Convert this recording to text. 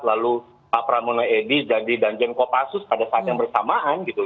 lalu pak pramono edy jadi danjen kopassus pada saat yang bersamaan gitu